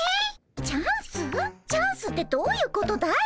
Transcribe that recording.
チャンスってどういうことだい？